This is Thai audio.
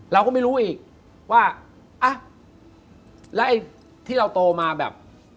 เราก็ไม่รู้อีกว่าอ่ะแล้วไอ้ที่เราโตมาแบบ